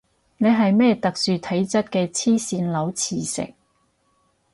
你係咩體質特殊嘅黐線佬磁石